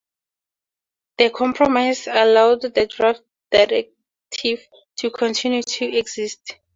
The compromise allowed the draft Directive to continue to exist.